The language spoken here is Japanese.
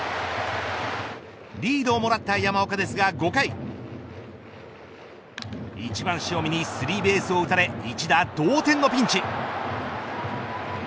リードをもらった山岡ですが５回１番塩見にスリーベースを打たれ一打同点のピンチ。